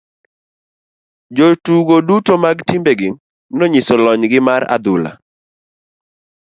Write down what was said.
Jotugo duto mag timbe gi nonyiso lony mar gi mar adhula.